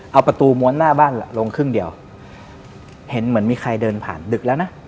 เอาประตูม้วนหน้าบ้านลงครึ่งเดียวเห็นเหมือนมีใครเดินผ่านดึกแล้วนะ